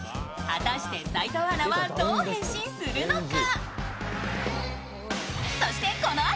果たして齋藤アナはどう変身するのか。